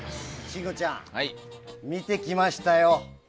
信五ちゃん、見てきましたよ。